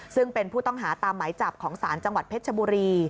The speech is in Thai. ซึ่งเป็นผู้ต้องหาตามหมายจับของศาลจังหวัดเพชรชบุรี